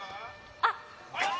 あっ。